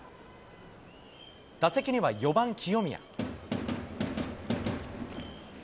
打席には４番清宮。